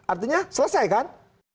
artinya selesai kan